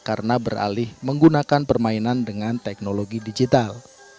karena beralih menggunakan permainan dengan teknologi digital